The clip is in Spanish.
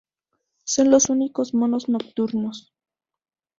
Son los únicos monos nocturnos.